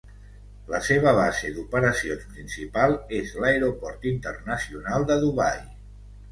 La seva base d'operacions principal és l'Aeroport Internacional de Dubai.